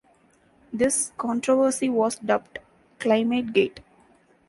This controversy was dubbed "Climategate".